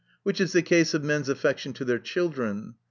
Which is the cause of men's affection to their children.